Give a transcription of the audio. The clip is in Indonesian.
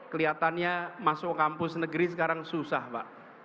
kelihatannya masuk kampus negeri sekarang susah pak